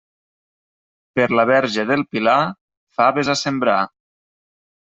Per la Verge del Pilar, faves a sembrar.